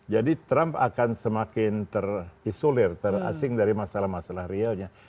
jadi trump akan semakin terisolir terasing dari masalah masalah realnya